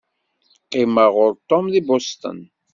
Qqimeɣ ɣur Tom deg Boston.